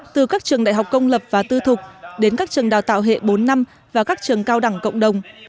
từ các trường đại học công lập và tư thục đến các trường đào tạo hệ bốn năm và các trường cao đẳng cộng đồng